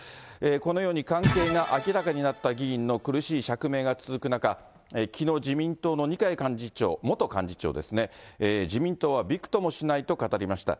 このように関係が明らかになった議員の苦しい釈明が続く中、きのう、自民党の二階幹事長、元幹事長ですね、自民党はびくともしないと語りました。